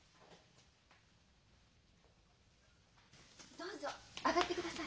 どうぞ上がってください。